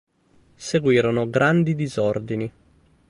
Seguirono grandi disordini.